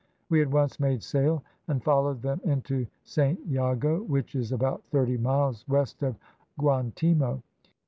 We at once made sail and followed them into Saint Jago, which is about thirty miles west of Guantimo.